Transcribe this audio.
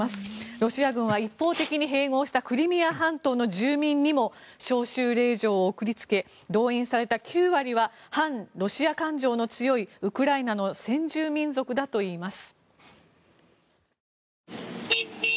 ロシア軍は一方的に併合したクリミア半島の住民にも招集令状を送りつけ動員された９割は反ロシア感情の強い先住民族だといいます。